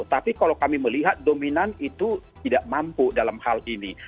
tapi kalau kami melihat dominan itu tidak mampu dalam hal ini